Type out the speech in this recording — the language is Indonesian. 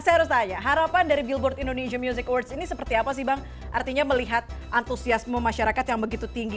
saya harus tanya harapan dari billboard indonesia music awards ini seperti apa sih bang artinya melihat antusiasme masyarakat yang begitu tinggi